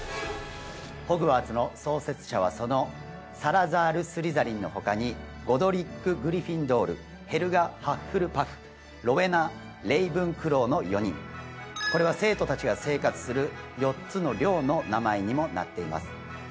ホグワーツの創設者はそのサラザール・スリザリンの他にゴドリック・グリフィンドールヘルガ・ハッフルパフロウェナ・レイブンクローの４人これは生徒達が生活する４つの寮の名前にもなっています